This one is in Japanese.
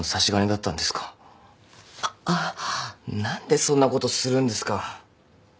何でそんなことするんですか。